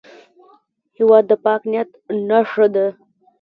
هېواد د پاک نیت نښه ده.